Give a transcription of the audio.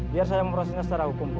biar saya memprosesnya secara hukum